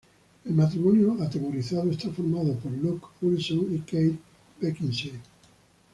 El matrimonio atemorizado está formado por Luke Wilson y Kate Beckinsale.